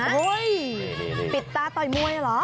ปิดตาต่อยมวยหรอ